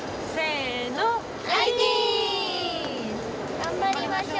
頑張りましょう。